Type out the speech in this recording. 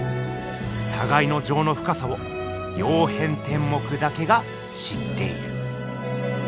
たがいのじょうのふかさを「曜変天目」だけが知っている。